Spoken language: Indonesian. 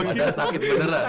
ada sakit beneran